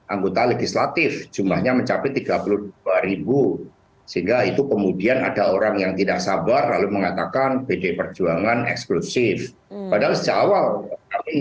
analisisnya mas buruan menarik sekali